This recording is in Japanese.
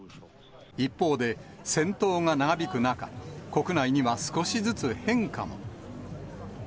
一方で、戦闘が長引く中、国内には少しずつ変化も。